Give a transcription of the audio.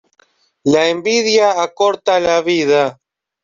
La envidia acorta la vida.